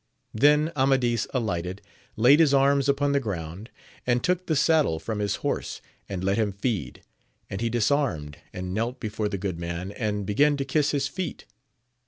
Then Amadis alighted, laid his arms upon the ground, and took the saddle from his horse and let him feed ; and he disarmed, and knelt before the good man, and began to kiss his feet.